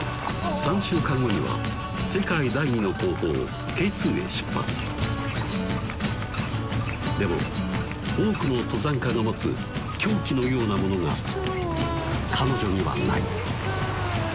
３週間後には世界第２の高峰・Ｋ２へ出発でも多くの登山家が持つ狂気のようなものが彼女にはない